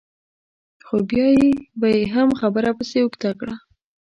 خو بیا به یې هم خبره پسې اوږده کړه.